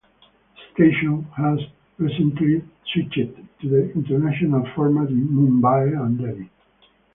The station has recently switched to the International format in Mumbai and Delhi.